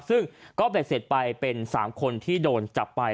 ซึ่งก็เบ็ดเสร็จไปเป็น๓คนที่โดนจับไป